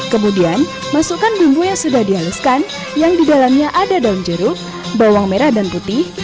kemudian masukkan bumbu yang sudah dihaluskan yang didalamnya ada daun jeruk bawang merah dan putih